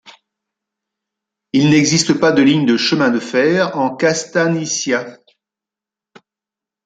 Il n'existe pas de ligne de chemins de fer en Castagniccia.